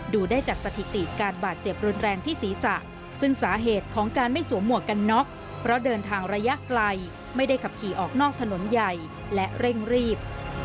ดูได้จากสถิติการบาดเจ็บรุนแรงที่ศีรษะซึ่งสาเหตุของการไม่สวมหมวกกันน็อกเพราะเดินทางระยะไกลไม่ได้ขับขี่ออกนอกถนนใหญ่และเร่งรีบ